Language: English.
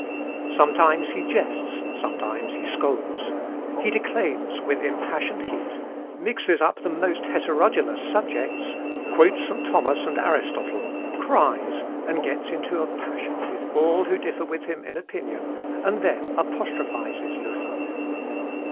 Sometimes he jests, sometimes he scolds; he declaims with impassioned heat, mixes up the most heterogeneous subjects, quotes St. Thomas and Aristotle, cries, and gets into a passion with all who differ with him in opinion, and then apostrophises Luther.